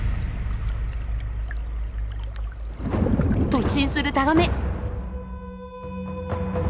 突進するタガメ。